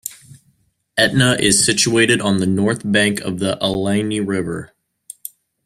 Etna is situated on the north bank of the Allegheny River.